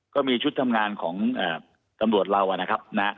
ก็มีชุดทำงานของตำรวจเรานะครับ